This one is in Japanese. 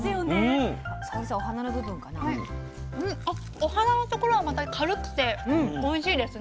お花のところはまた軽くておいしいですね。